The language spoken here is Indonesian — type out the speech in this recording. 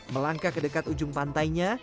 melangkah ke dekat ujung pantainya